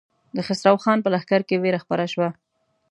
د خسرو خان په لښکر کې وېره خپره شوه.